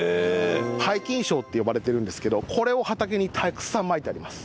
廃菌床って呼ばれてるんですけどこれを畑にたくさんまいてあります。